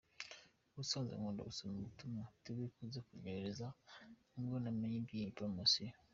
Ubusanzwe nkunda gusoma ubutumwa Tigo ikunze kunyoherereza, nibwo namenye iby’iyi poromosiyo.